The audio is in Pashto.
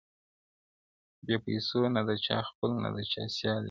بې پیسو نه دچا خپل نه د چا سیال یې,